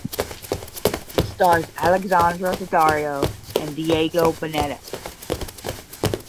It stars Alexandra Daddario and Diego Boneta.